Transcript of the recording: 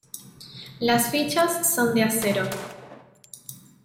Las fichas son de acero.